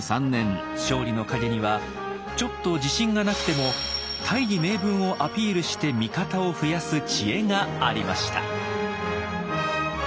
勝利の陰にはちょっと自信がなくても大義名分をアピールして味方を増やす知恵がありました。